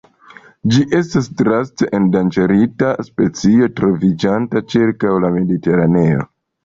Ĝi estas draste endanĝerita specio troviĝanta ĉirkaŭ la Mediteraneo.